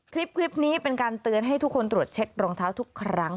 คลิปนี้เป็นการเตือนให้ทุกคนตรวจเช็ครองเท้าทุกครั้ง